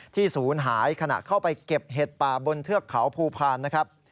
ศูนย์หายขณะเข้าไปเก็บเห็ดป่าบนเทือกเขาภูพาลนะครับ